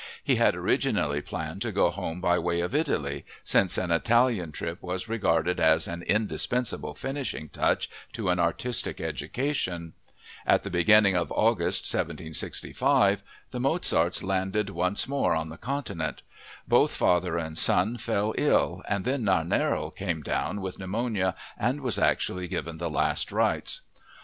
He had originally planned to go home by way of Italy, since an Italian trip was regarded as an indispensable finishing touch to an artistic education. At the beginning of August 1765, the Mozarts landed once more on the Continent. Both father and son fell ill, and then Nannerl came down with pneumonia and was actually given the last rites.